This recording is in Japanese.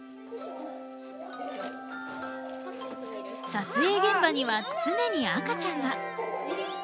撮影現場には常に赤ちゃんが。